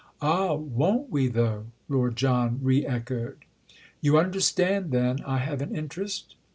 "Ah, won't we though!" Lord John re echoed. "You understand then I have an interest?"